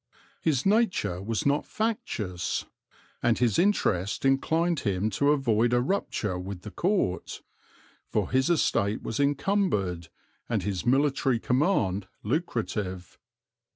His nature was not factious; and his interest inclined him to avoid a rupture with the Court; for his estate was encumbered, and his military command lucrative.